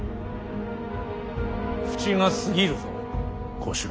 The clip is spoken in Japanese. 口が過ぎるぞ小四郎。